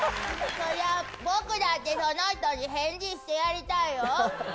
そりゃ、僕だって、その人に返事してやりたいよ。